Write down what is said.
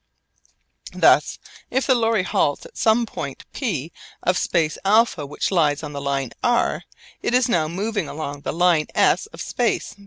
Thus if the lorry halts at some point P of space α which lies on the line r, it is now moving along the line s of space β.